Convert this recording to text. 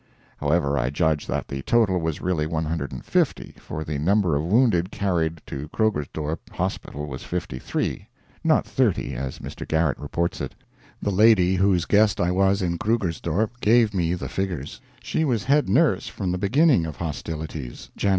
[However, I judge that the total was really 150; for the number of wounded carried to Krugersdorp hospital was 53; not 30, as Mr. Garrett reports it. The lady whose guest I was in Krugersdorp gave me the figures. She was head nurse from the beginning of hostilities (Jan.